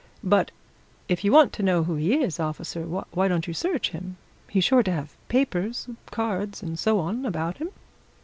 But if you want to know who he is, officer, why don't you search him? He's sure to have papers, cards, and so on about him."